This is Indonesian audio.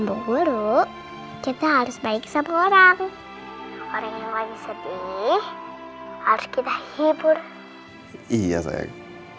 memburuk kita harus baik sama orang orang yang lain sedih harus kita hibur iya baik